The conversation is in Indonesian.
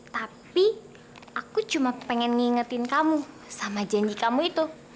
tapi aku cuma pengen ngingetin kamu sama janji kamu itu